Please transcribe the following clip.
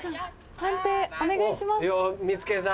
判定お願いします。